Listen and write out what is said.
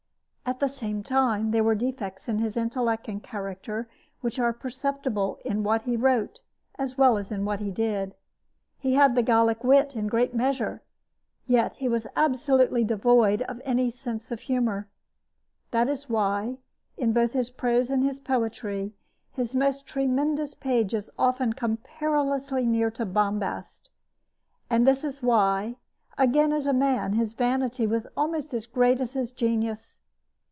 At the same time, there were defects in his intellect and character which are perceptible in what he wrote, as well as in what he did. He had the Gallic wit in great measure, but he was absolutely devoid of any sense of humor. This is why, in both his prose and his poetry, his most tremendous pages often come perilously near to bombast; and this is why, again, as a man, his vanity was almost as great as his genius.